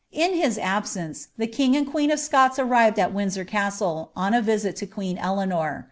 In his absence, die king ami qtt arrived at Windsor Cascle. on a visit lo queen Cleanor.